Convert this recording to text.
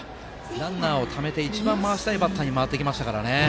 ランナーをためて一番回したいバッターに回ってきましたからね。